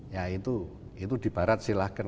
ya itu di barat silahkan